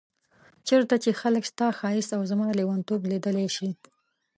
چيرته چي خلګ ستا ښايست او زما ليونتوب ليدلی شي